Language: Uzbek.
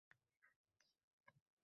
– yangi avlod tarbiyasiga mas’ul qilingan